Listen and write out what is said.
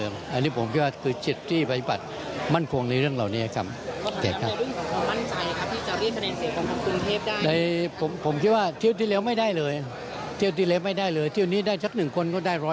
ไม่น้อยไปเหรอครับหนึ่งคน